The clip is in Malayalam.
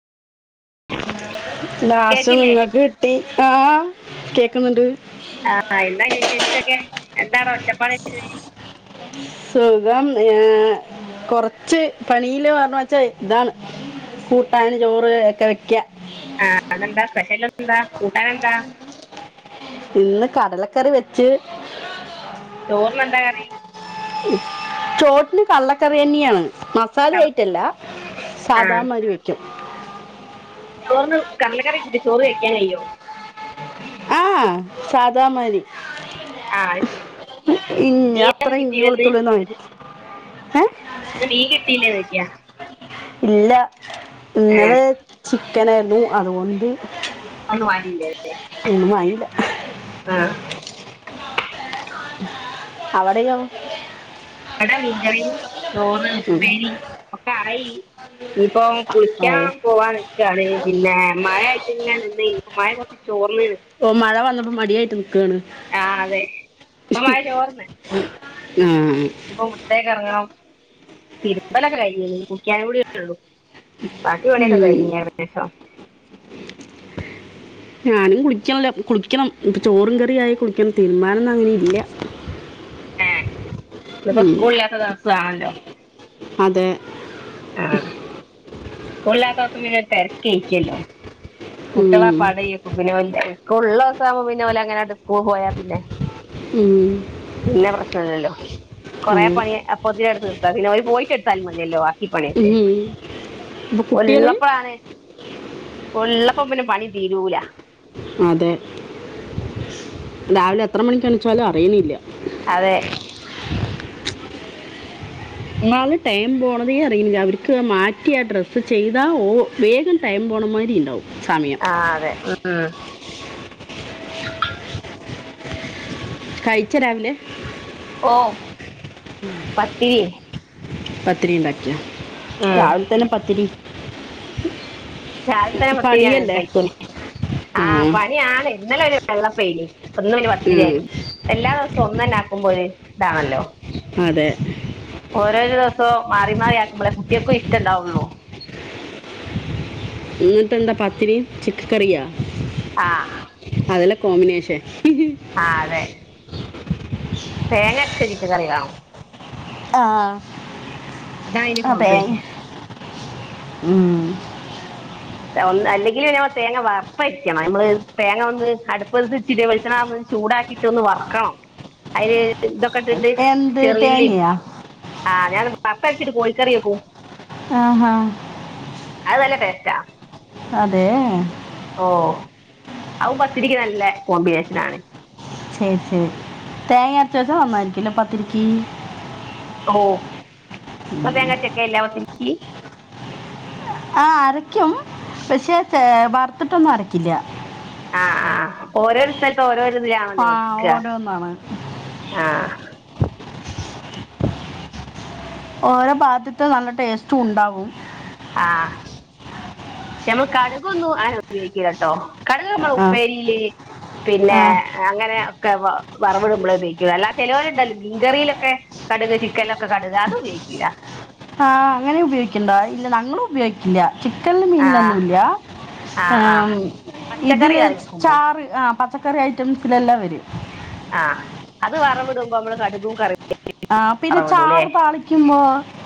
ലാസ്റ്റ് കേക്കില്ലേ നിങ്ങക്ക് കിട്ടി ആഹ് കേക്കുന്നുണ്ട് ആഹ് എന്താ ഇനി വിശേഷൊക്കെ എന്താ ടെ ഒച്ചപ്പാട് [unintelligible] സുഖം ഏ കൊറച്ച് പണിയില് [unintelligible] വച്ചാ ഇതാണ് കൂട്ടാൻ ചോറ് ഒക്കെ വെക്കാ ആഹ് ഇന്നെന്താ സ്പെഷ്യൽ എന്താ കൂട്ടാനെന്താ ഇന്ന് കടലക്കറി വെച്ച് ചോറ് ന് എന്താ കറി ചോറ്റ്ന് കട്ലക്കറി തന്നെയാണ് ആ മസാലയായിട്ടല്ല സാദാമാരി വെക്കും ചോറിന് കടലക്കറി കൂട്ടി ചോറ് കഴിക്കാൻ കയ്യോ ആഹ് സാദാമായ്രി ആ അത് ശരി ഇഞ് അത്ര മീനൊന്നും ഇഞ് കിട്ടിയില്ലെന്ന് കൊളുത്തുള്ളൂ എന്നര് എ ഇന്ന് ലീവ് കിട്ടയില്ലേ യാ ഇല്ല ഇന്നലെ ചിക്കൻയാരിന്നു അതുകൊണ്ട് അന്ന് വാങ്ങിയിട്ടുണ്ടായിരുന്നില്ലേ ഒന്നും ആയില്ല ആ അവിടെയോ അവിടെ മീൻകറിയും ചോറ് ഉപ്പേരി ഒക്കെ ആയി ഇപ്പൊ ഓ കുളിക്കാൻ പോവാൻനിക്കാണ് പിന്നെ മഴ പിന്നെ എന്ത് മഴ കുറഞ്ഞിട്ട് ഓ മഴ വന്നപ്പോ മടിയായിട്ട് [unintelligible] ആഹ അതെ ഇപ്പൊ മഴച്ചോ ർന്ന് ആ ഇപ്പൊ മുറ്റത്തേക്ക് ഇറങ്ങണം തിരുമ്പലൊക്കെ കഴിഞ്ഞു ഇനി കുളിക്കാൻക്കൂടിയുള്ളു ബാക്കി പണിയൊക്കെ ഉം. കഴിഞ്ഞു ഏകദേശം ഞാനും കുളിക്കാണില്ല കുളിക്കണം ഇപ്പം ചോറും കറിയായി കുളിക്കണം തിര്മ്മാൻ ഒന്നും അങ്ങനെ ഇല്ല ഹ ഇതിപ്പോ ഉം. സ്കൂൾളില്ലാത്ത ദിവസമാണല്ലോ അതെ ആ സ്കൂൾയില്ലാത്ത ദിവസം പിന്നെ തെരക്ക് ആയിരിക്കല്ലോ കുട്ടികൾ ഉം. ഒക്കെപ്പാടെ പിന്നെ വലിയാ സ്കൂൾ ഉള്ള ദിവസവുമ്പോ പിന്നെ ഓല് അങ്ങനെ സ്കൂൾ പോയാ പിന്നെ ഉം. പിന്നെ പ്രേശ്നയില്ലല്ലോ കൊറെ അതെ. പണി അപ്പൊത്തിലും തീർക്കും പിന്നെ അവര് പോയിട്ട് എടുത്താലും മതിയല്ലോ പണിയൊക്കെ ഉം. ഇപ്പൊ കുട്ടികള് ഉള്ളപ്പോഴാണ് ഉള്ളപ്പോ അപ്പോപ്പിന്നെ പണി തീരൂല അതെ രാവിലെ എത്ര മണിക്ക് എണിച്ചാലും അറിയണില്ല അതെ എന്നാള് ടൈം പോണതേ അറങ്ങുന്നില്ല അവർക്ക് മാറ്റിയ ആ ഡ്രസ്സ് ചെയ്താൽ ഓ വേഗം ടൈം പോകണമാതിരി ഇണ്ടാവും ആ അതെ ഉം കഴിച്ച രാവിലെ ഓ പത്തിരി പത്തരിണ്ടക്കയാ ഉം രാവിലെ തന്നെ പത്തിരി രാവിൽ തെന്നെ പത്തിരിയാണ് പണിയല്ലേ കഴിക്ക്ന്നെ ആ ആഹ് പണിയാണ് ഇന്നലെ ഒര് വെള്ളപ്പെയിനി അപ്പ ഇന്ന് പിന്നെ ഉം. പത്തിരിയാക്കി എല്ലാ ദിവ്സും ഒന്നെന്നെ ആക്കുമ്പോ ഒര് ഇതാണല്ലോ അതെ ഓരോര ദിവ്സെവും മാറി മാറി ആക്കുമ്പെളെ കുട്ടെക്കും ഇഷ്ടം ഇണ്ടാവൊള്ളു ഇന്നെട്ട് എന്താ പാത്തിരിയും ചിക്ക കറിയാ? ആഹ് അത് അല്ലെ കോമ്പിനേഷൻ ആഹ് അതെ തേങ്ങ അരെച്ച ചിക്കെൻ കറിയോ? ആഹ് അതാ അയ്ന് കോമ്പെഡേഷൻ ഉം ഒ അല്ലെങ്കില് മ്മൾ തേങ്ങ വറ്പ്പരിക്കണം നമ്മള് തേങ്ങ ഒന്ന് അടുപ്പടുത്ത് ചിരി വെളിച്ചണ ചൂടാക്കിട്ട് ഒന്ന് വറക്കണം അയ്ല് ഇതൊ ക്കെട്ടിട്ട് എന്ത് ചെറിഉള്ളിം തേങ്ങയാ ആഹ് ഞാൻ വറ ട്ട് കോഴി കറിയേ ക്കൂ ആഹ് ആഹ് അത് നല്ല പേസ്റ്റാ അതെ ഔ പത്തിരിക്ക് നല്ല കോമ്പിനേഷനാ ണ് ശെരി ശെരി തേങ്ങ അരച്ച വസം നന്നായിരിക്കല്ലോ പത്തിരിക്കി ഒഹ് ഇങ്ങള് തേങ്ങര്ച്ച് വെക്കല്ല പത്തി പി ആഹ് അരക്ക്യും പക്ഷെ വറത്ത്ട്ടൊന്നും അരക്കില്ല ആഹ് ആഹ് ഓരോരു സ്ഥലത്തും ഓരോ ആഹ് ഓരോന്നാണ് ആഹ് ഓരോ ഭാത്ത്ത്തെ നല്ല ടേസ്റ്റു ഉണ്ടാവും ആഹ് പക്ഷെ നമ്മൾ കടുകൊന്നും ആനെ ഉപയോഗിക്കല ട്ടോ കടുക് നമ്മൾ ആ ഉപ്പേരീല് പിന്നെ ആ അങ്ങനെ [unintelligible] വറവ്ടുമ്പളെ പയോഗിക്ക അല്ലാതെ ചെലോല് ഇണ്ടാല് മീൻ കറിയിലൊക്കെ കടുക് ചിക്കനിലൊക്കെ കടുക് അത് ഉപയോഗിക്കില്ല ആഹ് അങ്ങനെ ഉപയോഗിക്ക്ണ്ടോ ഇല്ല ഞങ്ങള് ഉപയോഗിക്കില്ല ചിക്കൻ ആഹ് മീനിലൊന്നും ല്ല ആഹ് ആഹ് ങ് പച്ചക്കറി ഇതില് കറി വെക്കുമ്പോ ചാറ് ആഹ് പ പച്ചക്കറി ഐറ്റംസിനെല്ലാം വരും ആഹ് അത് വറവിടുമ്പോ നമ്മള് കടുകും കറി ആഹ് പിന്നെ ചാറ് താളിക്കുമ്പോ